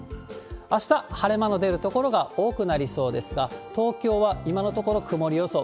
あした、晴れ間の出る所が多くなりそうですが、東京は今のところ、曇り予想。